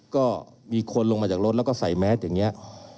ก็มีคนลงมาจากรถแล้วก็ใส่แมสอย่างนี้